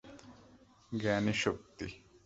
জ্ঞানই শক্তি।